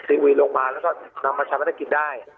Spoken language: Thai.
ซีอุยลงมาแล้วก็นำมาชาวธกิจได้